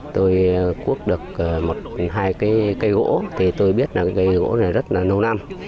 tôi quốc được hai cây gỗ tôi biết cây gỗ này rất nâu năm